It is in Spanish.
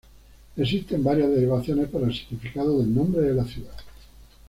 Existen varias derivaciones para el significado del nombre de la ciudad.